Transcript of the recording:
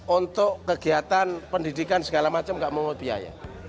untuk kegiatan pendidikan segala macam gak memungut biaya